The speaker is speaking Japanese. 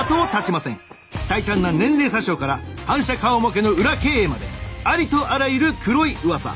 大胆な年齢詐称から反社顔負けの裏経営までありとあらゆる黒い噂。